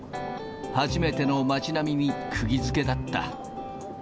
初めての街並みにくぎ付けだった。